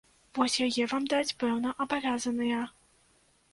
Вось яе вам даць пэўна абавязаныя.